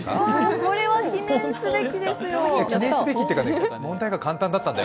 これは記念すべきですよ。